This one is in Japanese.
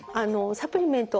サプリメント